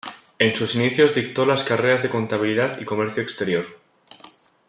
En sus inicios dictó las carreras de contabilidad y comercio exterior.